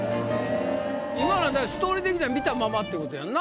今のはストーリー的には見たままってことやんな。